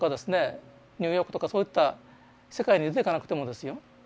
ニューヨークとかそういった世界に出て行かなくてもですよ